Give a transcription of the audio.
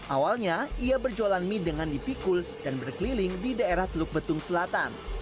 awalnya ia berjualan mie dengan dipikul dan berkeliling di daerah teluk betung selatan